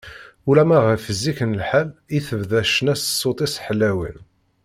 Ulamma ɣef zik n lḥal i tebda ccna s ṣṣut-is ḥlawen.